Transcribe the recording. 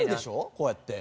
こうやって。